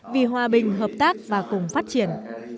vì hòa bình hợp tác và cùng phát triển